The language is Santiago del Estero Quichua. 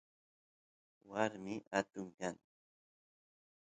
warmi atun kan